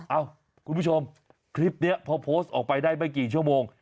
เอ้าคุณผู้ชมคลิปนี้พอโพสต์ออกไปได้ไม่กี่ชั่วโมง